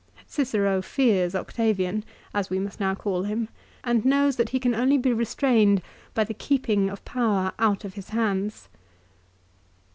Cicero fears Octavian, as we must now call him, and knows that he can only be restrained by the keeping of power out of his hands.